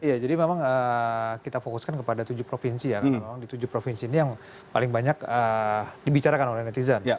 iya jadi memang kita fokuskan kepada tujuh provinsi ya karena memang di tujuh provinsi ini yang paling banyak dibicarakan oleh netizen